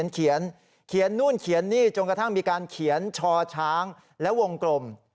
เขียนนู่นเขียนนี่จนกระทั่งมีการเขียนชอช้างและวงกลม